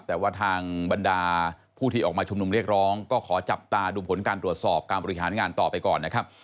แต่ว่าทางบรรดาผู้ที่ออกมาชุมนุมเรียกร้องก็ขอจับตาดูผลการตรวจสอบการบริหารงานต่อไปก่อนนะครับ